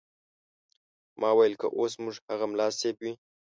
ما ویل که اوس زموږ هغه ملا صیب وي.